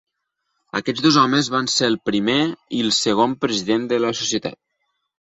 Aquests dos homes van ser el primer i el segon president de la societat.